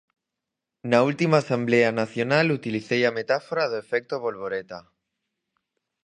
Na última asemblea nacional utilicei a metáfora do efecto bolboreta.